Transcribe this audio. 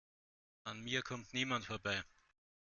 An mir kommt niemand vorbei!